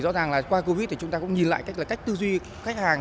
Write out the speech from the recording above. rõ ràng là qua covid thì chúng ta cũng nhìn lại cách tư duy khách hàng